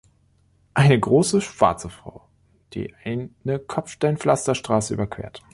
Eine große schwarze Frau, die eine Kopfsteinpflasterstraße überquert.